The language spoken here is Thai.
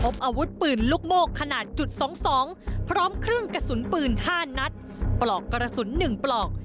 อาวุธปืนลูกโม่ขนาดจุด๒๒พร้อมเครื่องกระสุนปืน๕นัดปลอกกระสุน๑ปลอก